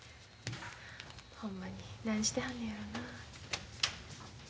ほんまに何してはるのやろな。